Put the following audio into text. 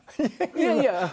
いやいや。